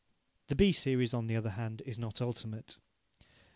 The B series, on the other hand, is not ultimate.